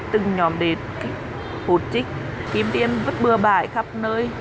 từng nhóm đền hụt trích kiếm tiêm vứt bừa bãi khắp nơi